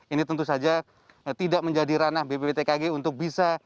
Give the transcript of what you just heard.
ini tentu saja tidak menjadi ranah bpptkg untuk bisa